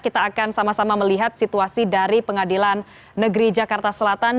kita akan sama sama melihat situasi dari pengadilan negeri jakarta selatan